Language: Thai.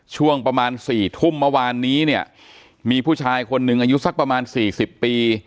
ช่วงประมาณ๔ทุ่มเมื่อวานนี้เนี่ยมีผู้ชายคนหนึ่งอายุสักประมาณสี่สิบปี